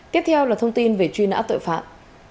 tiếp theo là thông tin về truy nã tội phạm